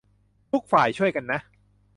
ทุกฝ่าย ช่วยกันนะ